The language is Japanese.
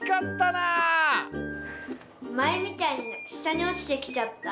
まえみたいにしたにおちてきちゃった。